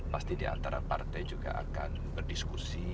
pasti di antara partai juga akan berdiskusi